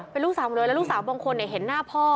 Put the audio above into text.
เป็นลูกสาวหมดเลยแล้วลูกสาวบางคนเห็นหน้าพ่อ